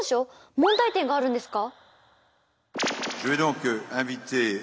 問題点があるんですか？